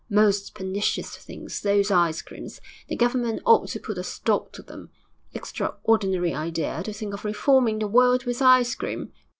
Most pernicious things, those ice creams! The Government ought to put a stop to them. Extraordinary idea to think of reforming the world with ice cream!